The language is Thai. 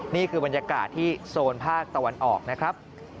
นี่คือบรรยากาศที่โซนภาคตะวันออกนะครับ